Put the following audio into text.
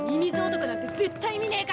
男なんて絶対見ねぇからな。